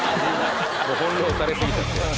翻弄されすぎちゃって。